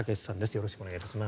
よろしくお願いします。